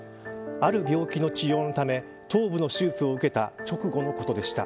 ある病気の治療のため頭部の手術を受けた直後のことでした。